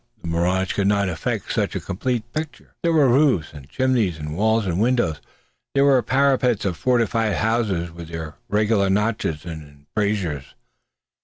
The mirage could not effect such a complete picture. There were the roofs, and chimneys, and walls, and windows. There were the parapets of fortified houses, with their regular notches and embrasures.